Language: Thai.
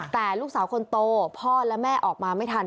แต่ลูกสาวคนโตพ่อและแม่ออกมาไม่ทัน